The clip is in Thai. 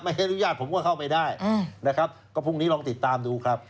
ให้อนุญาตผมก็เข้าไปได้นะครับก็พรุ่งนี้ลองติดตามดูครับ